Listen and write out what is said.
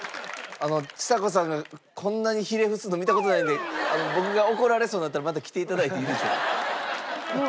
ちさ子さんがこんなにひれ伏すの見た事ないんで僕が怒られそうになったらまた来て頂いていいでしょうか？